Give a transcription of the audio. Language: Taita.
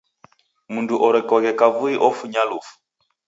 Mndumu orekoghe kavui ofunya lufu.